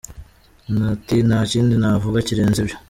Ati “Nta kindi navuga kirenze ibyo.